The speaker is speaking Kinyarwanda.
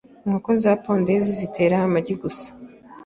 inkoko za pondeze zitera amagi gusa